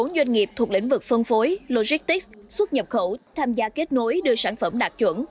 một mươi bốn doanh nghiệp thuộc lĩnh vực phân phối logistics xuất nhập khẩu tham gia kết nối đưa sản phẩm đạt chuẩn